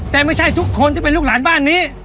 แต่ไม่ใช่ทุกคนที่เป็นลูกหลานบ้านนี้